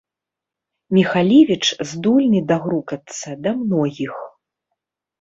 Міхалевіч здольны дагрукацца да многіх.